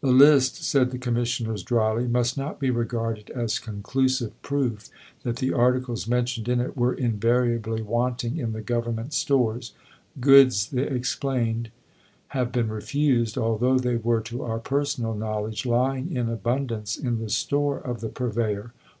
The list, said the commissioners drily, "must not be regarded as conclusive proof that the articles mentioned in it were invariably wanting in the [Government] stores." Goods, they explained, "have been refused, although they were, to our personal knowledge, lying in abundance in the store of the Purveyor."